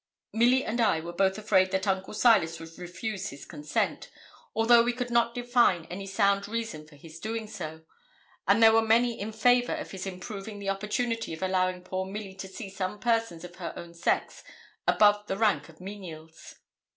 Milly and I were both afraid that Uncle Silas would refuse his consent, although we could not divine any sound reason for his doing so, and there were many in favour of his improving the opportunity of allowing poor Milly to see some persons of her own sex above the rank of menials.